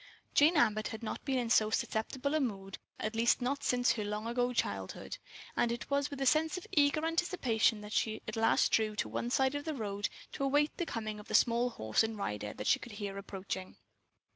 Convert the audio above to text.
Jane Abbott had not been in so susceptible a mood, at least not since her long ago childhood, and it was with a sense of eager anticipation that she at last drew to one side of the road to await the coming of the small horse and rider that she could hear approaching.